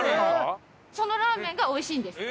そのラーメンがおいしいんです。